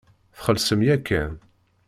Txellṣem yakan.